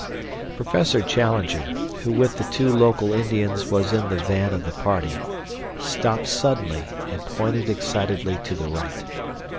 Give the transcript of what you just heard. Professor Challenger, who with the two local Indians was in the van of the party, stopped suddenly and pointed excitedly to the right.